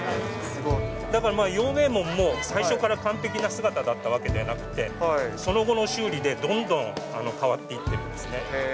だから陽明門も最初から完璧な姿だったわけではなくて、その後の修理でどんどん変わっていってるんですね。